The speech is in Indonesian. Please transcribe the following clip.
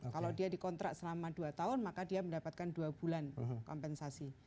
kalau dia dikontrak selama dua tahun maka dia mendapatkan dua bulan kompensasi